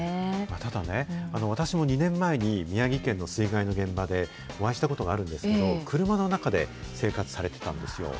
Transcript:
ただね、私も２年前に、宮城県の水害の現場でお会いしたことがあるんですけど、車の中で生活されてたんですよ。